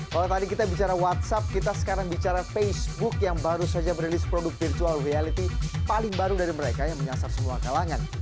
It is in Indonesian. kalau tadi kita bicara whatsapp kita sekarang bicara facebook yang baru saja merilis produk virtual reality paling baru dari mereka yang menyasar semua kalangan